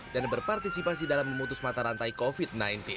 dan berpartisipasi dalam memutus mata rantai covid sembilan belas